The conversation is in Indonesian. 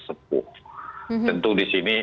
sepuh tentu disini